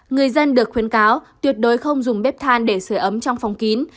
người dân được khuyến cáo tuyệt đối không dùng bếp than để sửa ấm trong phòng kín